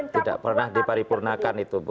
tidak perlu diparipurnakan itu bu